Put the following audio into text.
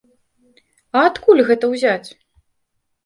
А адкуль гэта ўзяць?